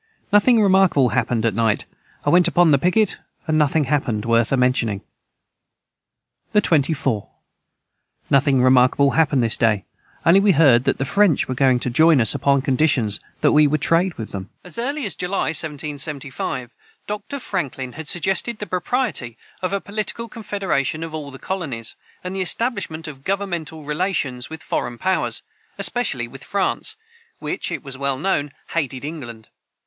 Nothing remarkable hapned at night I went upon the piquet and nothing hapned worth a mentioning. the 24. Nothing remarkable hapned this day onely we heard that the french were a going to join us upon conditions that we would trade with them. [Footnote 174: As early as July, 1775, Dr. Franklin had suggested the propriety of a political confederation of all the colonies, and the establishment of governmental relations with foreign powers, especially with France, which, it was well known, hated England.